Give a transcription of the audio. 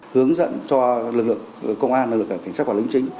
hướng dẫn cho lực lượng công an lực lượng cảnh sát quản lý chính